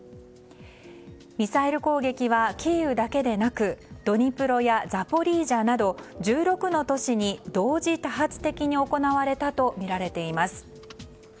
ミサイル攻撃はキーウだけでなくドニプロやザポリージャなど１６の都市に同時多発的に行われたとみられています。